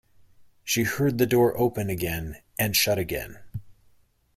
She heard the door open again and shut again.